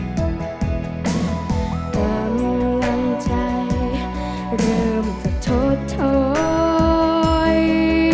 กำลังใจเริ่มจะทดถอย